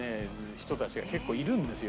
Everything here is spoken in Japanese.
人たちが結構いるんですよ